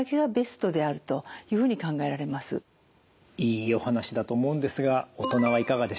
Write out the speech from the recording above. いいお話だと思うんですが大人はいかがでしょう？